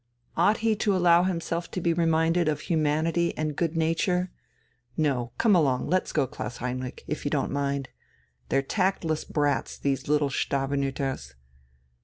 Ought he to allow himself to be reminded of humanity and good nature? No, come along, let's go, Klaus Heinrich, if you don't mind. They're tactless brats, these little Stavenüters."